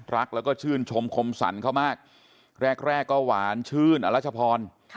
รักและชื่นชมคมสรรค์เข้ามากแรกก็หวานชื่นอำราชพร